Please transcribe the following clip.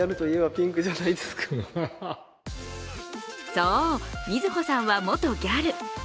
そう、瑞穂さんは元ギャル。